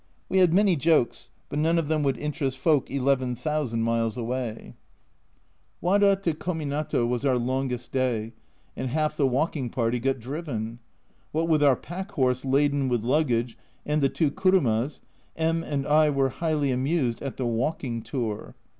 We had many jokes, but none of them would interest folk eleven thousand miles away. 124 A Journal from Japan Wada to Kominato was our longest day, and half the walking party got driven ! What with our pack horse laden with luggage and the two kurumas, M and I were highly amused at the walking tour.